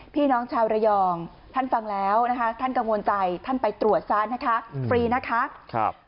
พี่น้องชาวระยองท่านฟังแล้วนะคะท่านกังวลใจท่านไปตรวจซะนะคะฟรีนะคะ